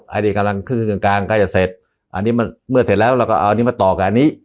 อันนี้กำลังครึ่งกลางกลางใกล้จะเสร็จอันนี้มันเมื่อเสร็จแล้วเราก็เอาอันนี้มาต่อกับอันนี้